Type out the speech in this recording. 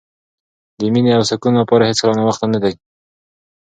د مینې او سکون لپاره هېڅکله ناوخته نه وي.